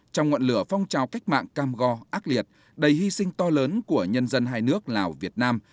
trong ngọn lửa phong trào cách mạng cam go ác liệt đầy hy sinh to lớn của nhân dân hai nước lào việt nam